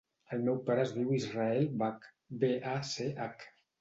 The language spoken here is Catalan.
El meu pare es diu Israel Bach: be, a, ce, hac.